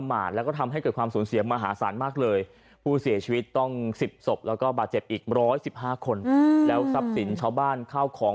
บ้านเรือนเสียหายทั้งหมดเครื่องมือทำมาหากิน